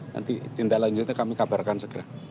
nanti tindak lanjutnya kami kabarkan segera